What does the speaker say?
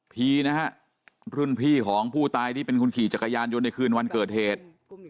นะฮะรุ่นพี่ของผู้ตายที่เป็นคนขี่จักรยานยนต์ในคืนวันเกิดเหตุ